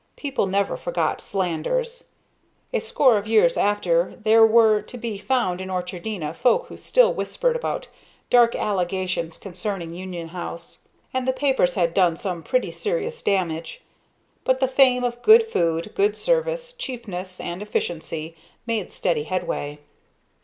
People never forget slanders. A score of years after there were to be found in Orchardina folk who still whispered about dark allegations concerning Union House; and the papers had done some pretty serious damage; but the fame of good food, good service, cheapness and efficiency made steady headway.